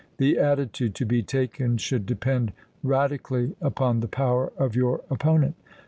The attitude to be taken should depend radically upon the power of your opponent.